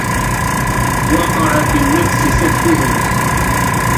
وَقَعَ فِي النَّفْسِ صِدْقُهُ